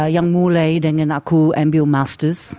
yang mulai dengan aku ambil master s